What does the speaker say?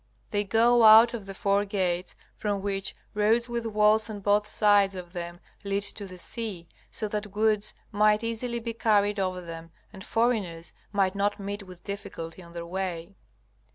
They go out of the four gates from which roads with walls on both sides of them lead to the sea, so that goods might easily be carried over them and foreigners might not meet with difficulty on their way.